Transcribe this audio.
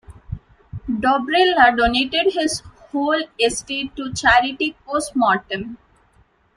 Dobrila donated his whole estate to charity post mortem.